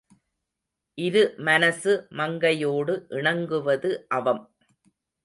இரு மனசு மங்கையோடு இணங்குவது அவம்.